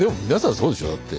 そうでしょうだって。